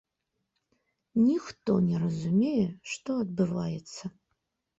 Ніхто не разумее, што адбываецца.